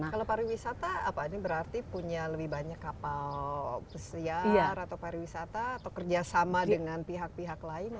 kalau pariwisata apa ini berarti punya lebih banyak kapal pesiar atau pariwisata atau kerjasama dengan pihak pihak lain